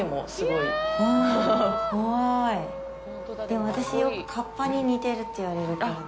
でも私、よくかっぱに似てるって言われるから。